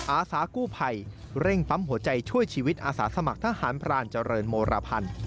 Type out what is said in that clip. อาสากู้ภัยเร่งปั๊มหัวใจช่วยชีวิตอาสาสมัครทหารพรานเจริญโมรพันธ์